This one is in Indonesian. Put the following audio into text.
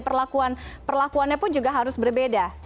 perlakuannya pun juga harus berbeda